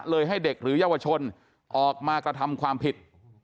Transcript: ให้เด็กหรือเยาวชนออกมากระทำความผิด